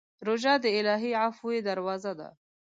روژه د الهي عفوې دروازه ده.